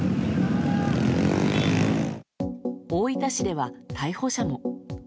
大分市では逮捕者も。